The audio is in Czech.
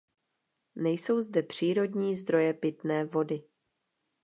Nejsou zde přírodní zdroje pitné vody.